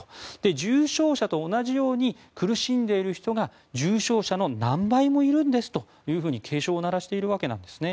重症者と同じように苦しんでいる人が重症者の何倍もいるんですと警鐘を鳴らしているわけです。